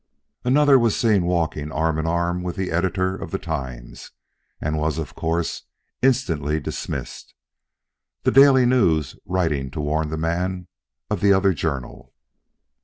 Another was seen walking arm in arm with the Editor of the Times, and was of course instantly dismissed, the Daily News writing to warn the man of the other journal.